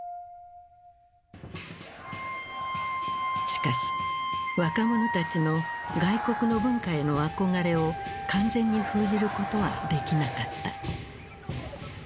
しかし若者たちの外国の文化への憧れを完全に封じることはできなかった。